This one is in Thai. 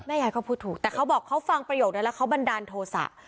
ยายก็พูดถูกแต่เขาบอกเขาฟังประโยคนั้นแล้วเขาบันดาลโทษะ